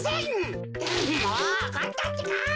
もうおこったってか。